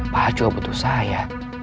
papa juga butuh saya